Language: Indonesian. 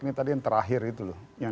ini tadi yang terakhir itu loh